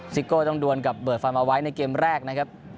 ซิโก้ต้องดวนกับเบิกฟันเอาไว้ในเกมแรกนะครับ